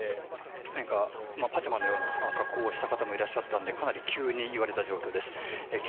パジャマのような格好をした方もいらっしゃったのでかなり急に言われた状況です。